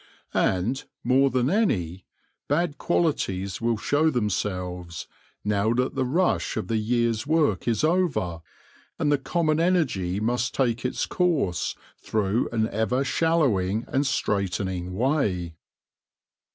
And, more than any, bad qualities will show themselves, now that the rush of the year's work is over, and the common energy must take its course through an ever shallowing and straitening way.